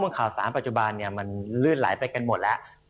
คุณสินทะนันสวัสดีครับ